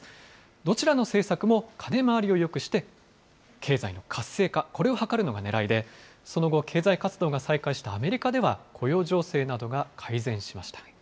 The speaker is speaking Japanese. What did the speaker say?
どちらの政策も金回りをよくして、経済の活性化、これを図るのがねらいで、その後、経済活動が再開したアメリカでは、雇用情勢などが改善しました。